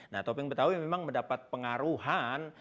nah topeng betawi memang mendapat pengaruhan